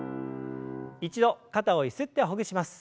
一度肩をゆすってほぐします。